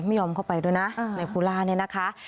ไม่ยอมเข้าไปด้วยนะในกุมตัวนายพูล่าเนี่ยนะคะ